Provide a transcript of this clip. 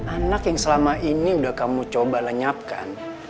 anak yang selama ini udah kamu coba lenyapkan